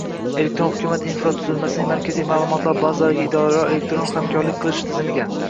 elektron hukumat infratuzilmasining markaziy ma’lumotlar bazalariga, idoralararo elektron hamkorlik qilish tizimiga